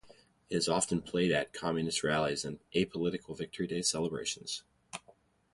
It is often played at Communist rallies and apolitical Victory Day celebrations.